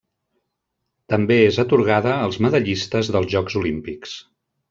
També és atorgada als medallistes dels Jocs Olímpics.